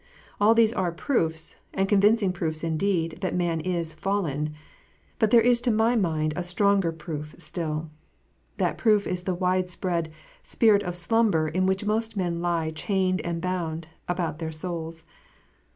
All these are proofs, and convincing proofs indeed, that man is fallen ; but there is to my mind a stronger proof still That proof is the wide spread "spirit of slumber" in which most men lie chained and bound about their souls.